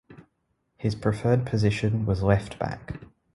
His preferred position was left-back.